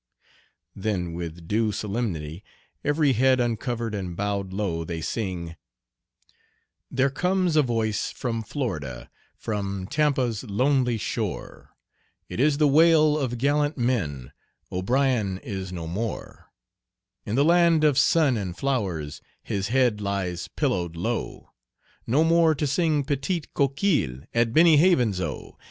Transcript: [Then, with due solemnity, every head uncovered and bowed low, they sing:] There comes a voice from Florida, from Tampa's lonely shore; It is the wail of gallant men, O'Brien is no more; In the land of sun and flowers his head lies pillowed low, No more to sing petite coquille at Benny Havens' O.